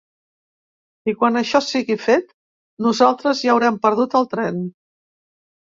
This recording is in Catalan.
I quan això sigui fet, nosaltres ja haurem perdut el tren.